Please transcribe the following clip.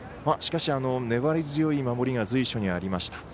しかし、粘り強い守りが随所にありました。